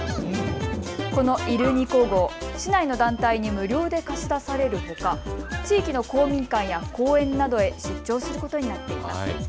このいるニコＧＯ、市内の団体に無料で貸し出されるほか地域の公民館や公園などへ出張することになっています。